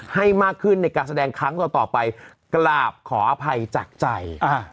ให้มากขึ้นในการแสดงครั้งต่อไปกราบขออภัยจากใจ